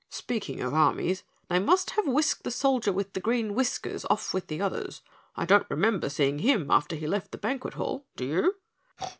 "Speaking of armies, they must have whisked the soldier with the green whiskers off with the others. I don't remember seeing him after he left the banquet hall, do you?